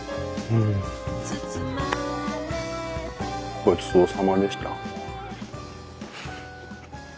ごちそうさまでした。